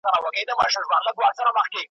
پر زړه هر گړی را اوري ستا یادونه .